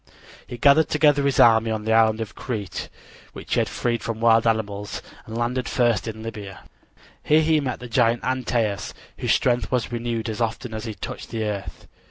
He gathered together his army on the island of Crete, which he had freed from wild animals, and landed first in Libya. Here he met the giant Antaeus, whose strength was renewed as often as he touched the earth.